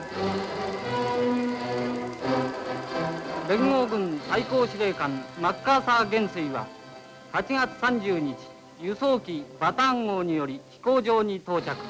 「連合軍最高司令官マッカーサー元帥は８月３０日輸送機バターン号により飛行場に到着。